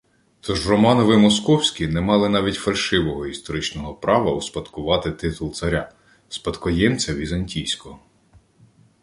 Тож Романови московські не мали навіть фальшивого історичного права успадковувати титул царя – спадкоємця візантійського